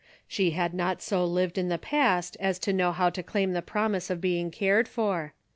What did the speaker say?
She had not so lived in the past as to know hoAV to claim the prom ise of being cared for.